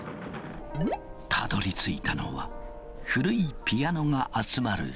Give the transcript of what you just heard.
たどりついたのは古いピアノが集まる倉庫。